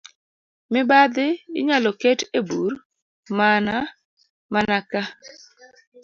Mibadhi inyalo ket e bur mana mana ka